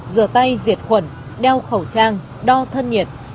rửa tay diệt khuẩn đeo khẩu trang đo thân nhiệt